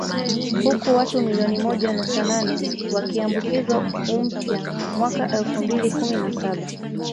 Huku watu milioni moja nukta nane wakiambukizwa umpya mwaka elfu mbili kumi na saba